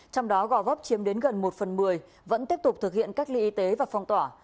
trong đó gò vấp chiếm đến gần một phần một mươi vẫn tiếp tục thực hiện cách ly y tế và phong tỏa